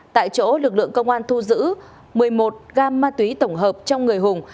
tại chỗ lực lượng công an thu giữ một mươi một gam ma túy tổng hợp trong người hùng